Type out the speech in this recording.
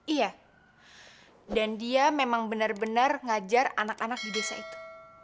iya dan dia memang benar benar ngajar anak anak di desa itu